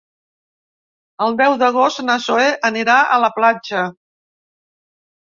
El deu d'agost na Zoè anirà a la platja.